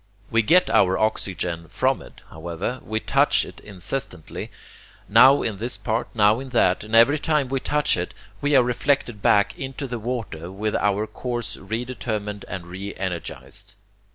We get our oxygen from it, however, we touch it incessantly, now in this part, now in that, and every time we touch it we are reflected back into the water with our course re determined and re energized.